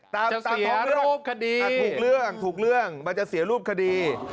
จะเสียรูปคดีถูกเรื่องมันจะเสียรูปคดี